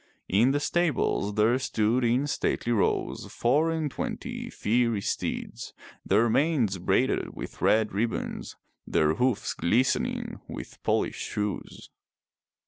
In the stables there stood in stately rows four and twenty fiery steeds, their manes braided with red ribbons, their hoofs glistening with polished shoes.